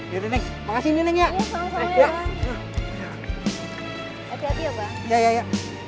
yaudah neng makasih nih neng ya